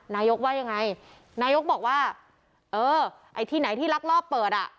นายกว่ายังไงนายกบอกว่าเออไอ้ที่ไหนที่ลักลอบเปิดอ่ะ